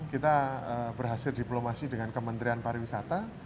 kita berhasil diplomasi dengan kementerian pariwisata